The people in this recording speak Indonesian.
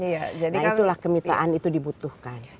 nah itulah kemitaan itu dibutuhkan